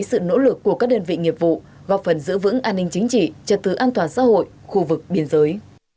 với sự nỗ lực của các đơn vị nghiệp vụ góp phần giữ vững an ninh chính trị trật tự an toàn xã hội khu vực biên giới